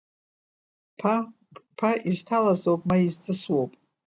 Ԥа, ԥԥа изҭалаз ауп ма изҵысуоуп…